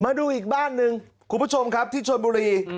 มาดูอีกบ้านหนึ่งคุณผู้ชมครับที่ชนบุรี